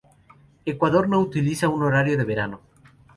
Ecuador no utiliza un horario de verano.